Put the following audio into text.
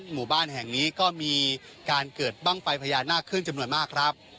หมู่บ้านแห่งนี้ก็มีการเกิดบ้างไฟพญานาคขึ้นจำนวนมากครับ